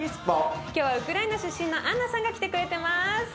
今日はウクライナ出身のアンナさんが来てくれてます。